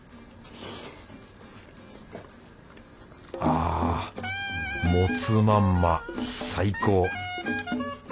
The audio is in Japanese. あもつまんま最高！